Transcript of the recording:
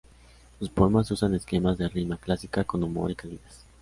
Sus poemas usan esquemas de rima clásica con humor y calidez.